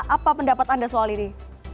apa pendapat anda soal ini